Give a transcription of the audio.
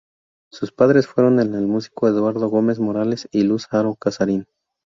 Sus padres fueron el músico Eduardo Gómez Morales y Luz Haro Casarín.